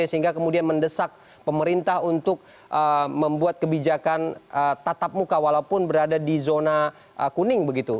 sehingga kemudian mendesak pemerintah untuk membuat kebijakan tatap muka walaupun berada di zona kuning begitu